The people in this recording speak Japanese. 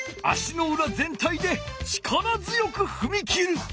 足のうら全体で力強くふみ切る。